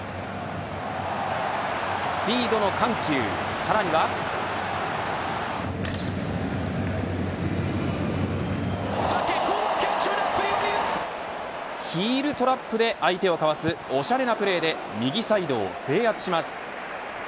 スピードの緩急、さらにはヒールトラップで相手をかわすおしゃれなプレーで右サイドを制圧します。